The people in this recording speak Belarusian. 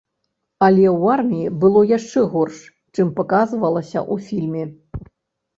Але ў арміі было яшчэ горш, чым паказвалася ў фільме!